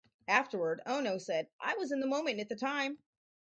Afterward, Ohno said, I was in the moment at the time.